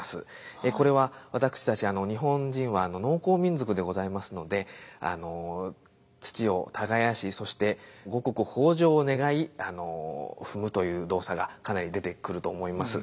これは私たち日本人は農耕民族でございますので土を耕しそして五穀豊穣を願い踏むという動作がかなり出てくると思います。